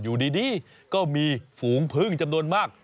อยู่ดีก็มีฝูงพึ่งจำนวนมาก